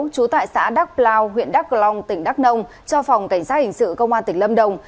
trú tại xã đắc plao huyện đắc long tỉnh đắc nông cho phòng cảnh sát hình sự công an tỉnh lâm đồng